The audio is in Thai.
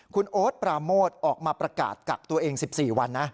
คุณโอ๊ตปราโมทออกมาประกาศกักตัวเอง๑๔วันนะ